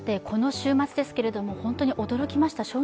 この週末ですけれども本当に驚きました。